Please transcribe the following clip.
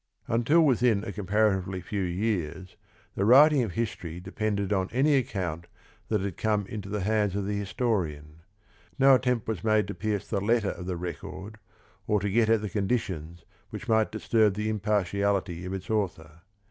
Until within a comparatively few years the writing of history depended on any account that had come into the hands of the historian. No attempt was made to pierce the letter of the record or to get at the conditions which might disturb the im partiality of its author.